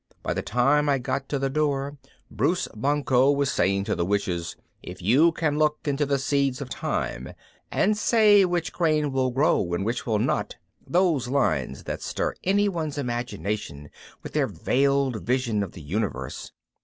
By the time I got to the door Bruce Banquo was saying to the witches, "If you can look into the seeds of time, And say which grain will grow and which will not," those lines that stir anyone's imagination with their veiled vision of the universe.